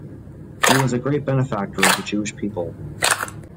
He was a great benefactor of the Jewish people.